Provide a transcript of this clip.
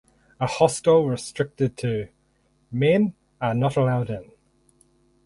A hostel restricted to "men are not allowed in".